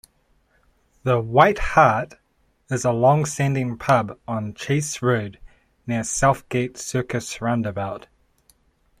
The "White Hart" is a long-standing pub on Chase Road, near Southgate Circus roundabout.